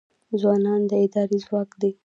ځوانان د ادارې ځواک دی